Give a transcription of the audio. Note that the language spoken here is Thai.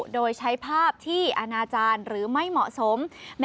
โดยใช้ภาพที่อนาจารย์หรือไม่เหมาะสม